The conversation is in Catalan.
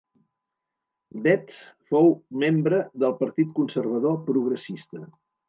Baetz fou membre del Partit Conservador Progressista.